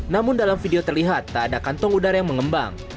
namun dalam video terlihat tak ada kantong udara yang mengembang